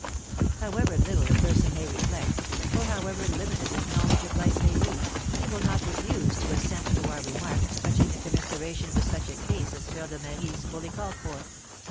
However little a person may reflect, or however limited his knowledge of life may be, he will not refuse to assent to our remarks touching the commiseration which such a case as Fleur de Marie's fully called for.